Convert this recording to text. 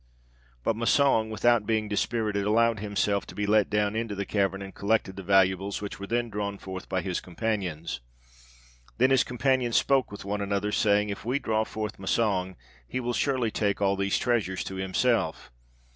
But Massang, without being dispirited, allowed himself to be let down into the cavern, and collected the valuables, which were then drawn forth by his companions. Then his companions spoke with one another, saying, 'If we draw forth Massang, he will surely take all these treasures to himself.